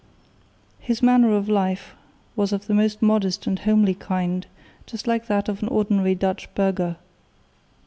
His manner of life was of the most modest and homely kind, just like that of an ordinary Dutch burgher.